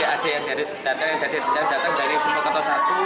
ada yang datang dari simokerto satu